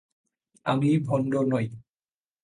আমি ভণ্ড নই।